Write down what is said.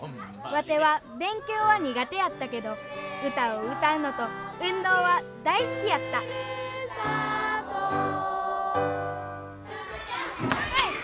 ワテは勉強は苦手やったけど歌を歌うのと運動は大好きやったえいっ！